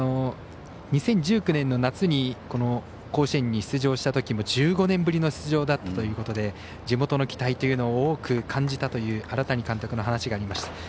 ２０１９年の夏に甲子園に出場したときも１５年ぶりの出場だったということで地元の期待というのを多く感じたという荒谷監督の話がありました。